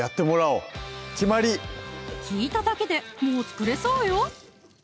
聞いただけでもう作れそうよ